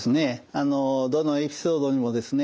どのエピソードにもですね